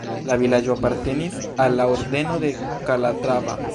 La vilaĝo apartenis al la Ordeno de Kalatrava.